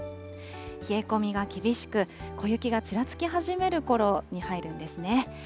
冷え込みが厳しく、小雪がちらつき始めるころに入るんですね。